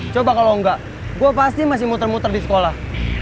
coba kalau enggak gue pasti masih muter muter di sekolah